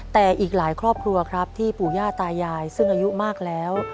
แต่อีกหลายครอบครัวครับที่ปู่ย่าตายายซึ่งอายุมากแล้ว